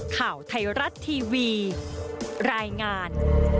ข่าวไทยรัฐทีวีรายงาน